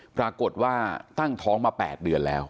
ปรากฏว่าตั้งท้องมา๘เดือนแล้ว